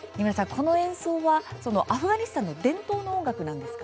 この演奏はアフガニスタンの伝統音楽なんですか？